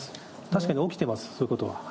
確かに起きてます、そういうことは。